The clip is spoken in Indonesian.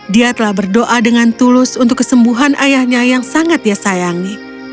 dia telah berdoa dengan tulus untuk kesembuhan ayahnya yang sangat dia sayangi